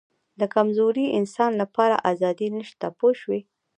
د کمزوري انسان لپاره آزادي نشته پوه شوې!.